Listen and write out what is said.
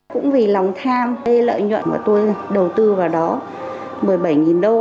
cũng vì lòng tham lợi nhuận mà tôi đầu tư vào đó một mươi bảy đô